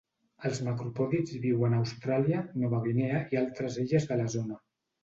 Els macropòdids viuen a Austràlia, Nova Guinea i altres illes de la zona.